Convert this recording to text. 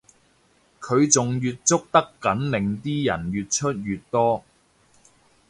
佢仲越捉得緊令啲人越出越多